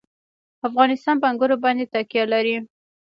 افغانستان په انګور باندې تکیه لري.